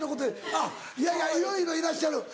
あっいやいやいろいろいらっしゃる。